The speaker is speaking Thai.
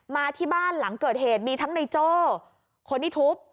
มาที่บ้านหลังเกิดเหตุมีทั้งในโจ้คนที่ทุบ